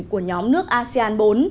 của nhóm nước asean bốn